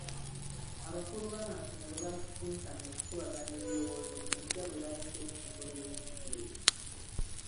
Abakulu b'amassomero baasisinkanye okukubaganya ebirowoozo ku butya bwe bayinza okutumbula ebyenjigiriza.